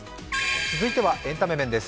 続いてはエンタメ面です。